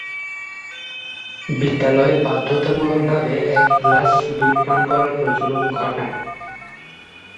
বিদ্যালয়ে বাধ্যতামূলকভাবে এক গ্লাস দুধ পান করার প্রচলন ঘটান।